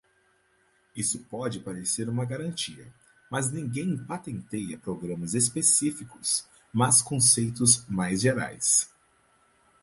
Isso pode parecer uma garantia, mas ninguém patenteia programas específicos, mas conceitos mais gerais.